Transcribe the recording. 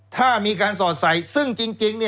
ถ้ามีการสอดใส่ซึ่งจริง